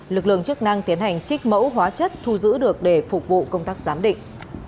lực lượng chức năng tiến hành trích mẫu hóa chất thu giữ được để phục vụ công tác giám định